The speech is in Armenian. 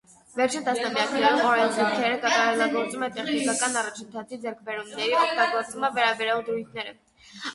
Վերջին տասնամյակներում օրենսգիրքը կատարելագործում է տեխնիկական առաջընթացի ձեռքբերումների օգտագործմանը վերաբերող դրույթները։